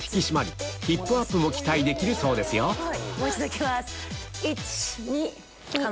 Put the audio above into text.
もう一度いきますイチニ！